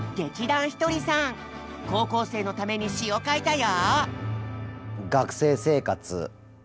高校生のために詞を書いたよ！